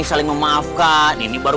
saling memaafkan ini baru